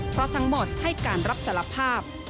เพราะทั้งหมดให้การรับสารภาพ